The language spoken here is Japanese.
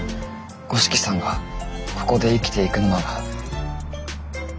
五色さんがここで生きていくのなら協力したい。